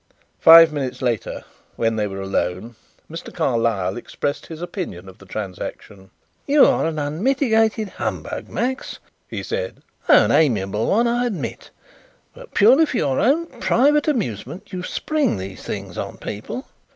Five minutes later, when they were alone, Mr. Carlyle expressed his opinion of the transaction. "You are an unmitigated humbug, Max," he said, "though an amiable one, I admit. But purely for your own private amusement you spring these things on people."